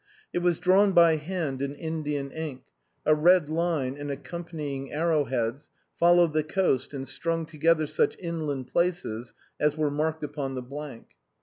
It was drawn by hand in Indian ink, a red line and accompanying arrow heads followed the coast and strung together such inland places as were marked upon the blank.